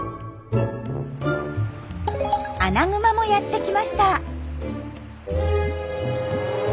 アナグマもやって来ました。